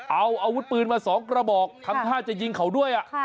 เอาอาวุธปืนมา๒กระบอกทำท่าจะยิงเขาด้วย